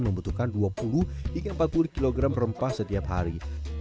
membutuhkan dua puluh hingga empat puluh kg rempah setiap hari